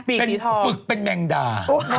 ปีกสีทองฝึกเป็นแม่งดา